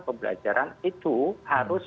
pembelajaran itu harus